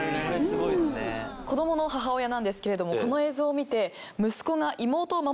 子供の母親なんですけれどもこの映像を見て。